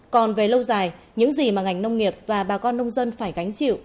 còn về lâu dài những gì mà ngành nông nghiệp và bà con nông dân phải gánh chịu